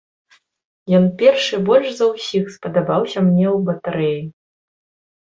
Ён першы больш за ўсіх спадабаўся мне ў батарэі.